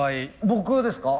僕ですか？